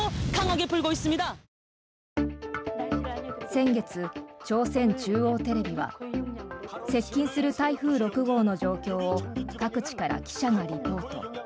先月、朝鮮中央テレビは接近する台風６号の状況を各地から記者がリポート。